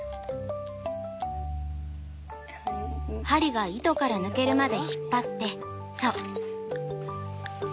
針が糸から抜けるまで引っ張ってそう。